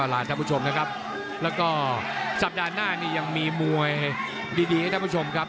แล้วก็สัปดาห์หน้านี้ยังมีมวยดีให้ท่านผู้ชมครับ